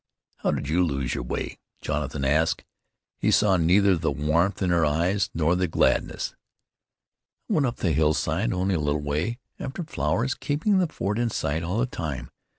"How did you lose your way?" Jonathan asked. He saw neither the warmth in her eyes nor the gladness. "I went up the hillside, only a little way, after flowers, keeping the fort in sight all the time.